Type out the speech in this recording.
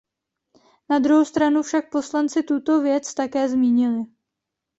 Na druhou stranu však poslanci tuto věc také zmínili.